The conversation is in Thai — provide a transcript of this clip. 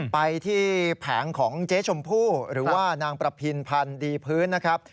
ไปที่แผงของเจ๊ชมพู่หรือว่านางประพินพันธ์ดีพื้นนะครับ